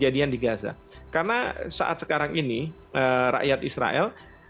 dan juga dari israel